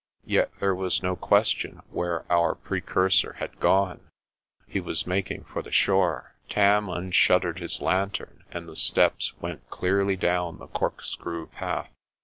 Yet there was no ques tion where our precursor had gone. He was making for the shore. Tam unshuttered his lantern, and the steps went clearly down the corkscrew path.